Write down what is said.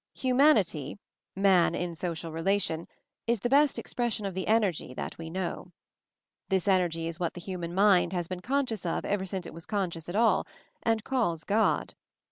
Hu MOVING THE MOUNTAIN 243 manity, man in social relation, is the best ex pression of the Energy that we know. This Energy is what the human mind has been conscious of ever since it was conscious at all; and calls God.